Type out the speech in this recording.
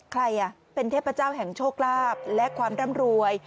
ใครเป็นเทพเจ้าแห่งโชคลาภและความร่ำรวย